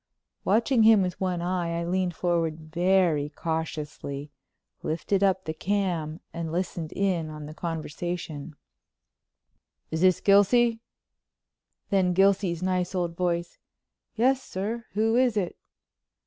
Watching him with one eye I leaned forward very cautiously, lifted up the cam and listened in on the conversation: "Is this Gilsey?" Then Gilsey's nice old voice, "Yes, sir. Who is it?"